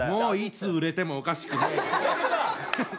もういつ売れてもおかしくないです。